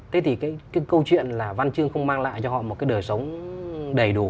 thế thì cái câu chuyện là văn chương không mang lại cho họ một cái đời sống đầy đủ